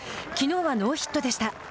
きのうはノーヒットでした。